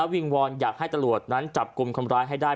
วิงวอนอยากให้ตำรวจนั้นจับกลุ่มคนร้ายให้ได้